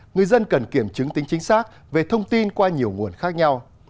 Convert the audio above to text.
người dân cần kiểm chứng tính chính xác về thông tin qua nhiều nguồn khác nhau